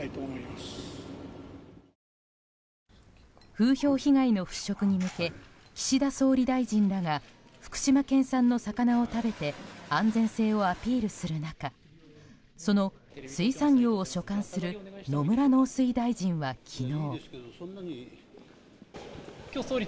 風評被害の払しょくに向け岸田総理大臣らが福島県産の魚を食べて安全性をアピールする中その水産業を所管する野村農水大臣は昨日。